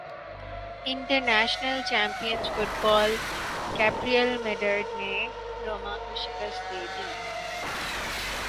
international champions football cup Real Madrid نے روما کو شکست دیدی